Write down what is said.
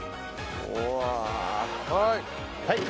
はい。